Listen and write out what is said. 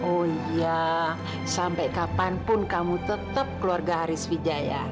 oh iya sampai kapanpun kamu tetap keluarga haris wijaya